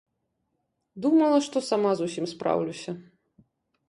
Думала, што сама з усім спраўлюся.